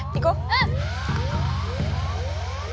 うん！